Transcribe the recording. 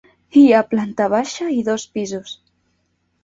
Hi ha planta baixa i dos pisos.